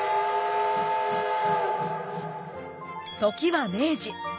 時は明治。